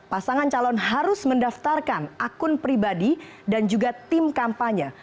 pasangan calon harus mendaftarkan akun pribadi dan juga tim kampanye